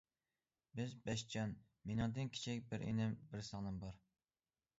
بىز بەش جان، مېنىڭدىن كىچىك بىر ئىنىم، بىر سىڭلىم بار.